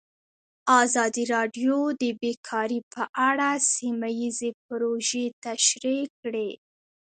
ازادي راډیو د بیکاري په اړه سیمه ییزې پروژې تشریح کړې.